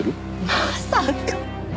まさか。